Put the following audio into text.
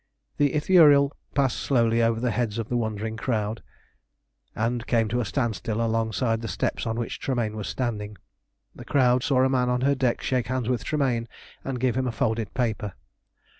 The Ithuriel passed slowly over the heads of the wondering crowd, and came to a standstill alongside the steps on which Tremayne was standing. The crowd saw a man on her deck shake hands with Tremayne and give him a folded paper.